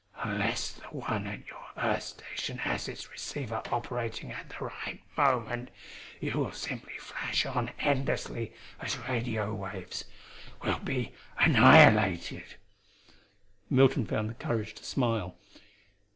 "Unless the one at your earth station has its receiver operating at the right moment you will simply flash on endlessly as radio waves will be annihilated." Milton found the courage to smile.